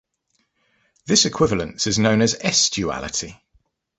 This equivalence is known as S-duality.